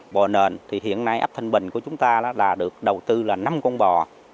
bò nền thì hiện nay ấp thanh bình của chúng ta là được đầu tư là năm con bò